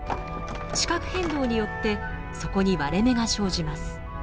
地殻変動によってそこに割れ目が生じます。